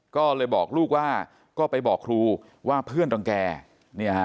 ก็เลยบอกลูกว่าก็ไปบอกครูว่าเพื่อนต่างแก